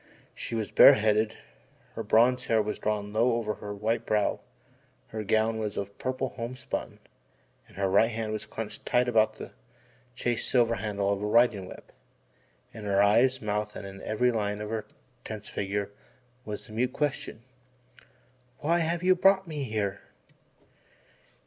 She was bare headed, her bronze hair was drawn low over her white brow, her gown was of purple home spun, and her right hand was clenched tight about the chased silver handle of a riding whip, and in eyes, mouth, and in every line of her tense figure was the mute question: "Why have you brought me here?" [Illustration: "Why have you brought me here?"